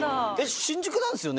新宿なんですよね？